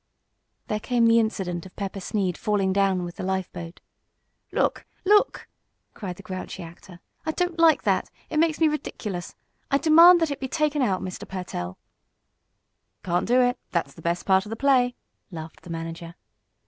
There came the incident of Pepper Sneed falling down with the lifeboat. "Look! Look!" cried the grouchy actor. "I don't like that! It makes me ridiculous. I demand that it be taken out, Mr. Pertell!" "Can't do it! That's the best part of the play!" laughed the manager.